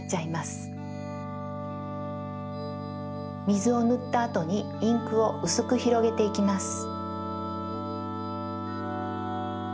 みずをぬったあとにインクをうすくひろげていきます。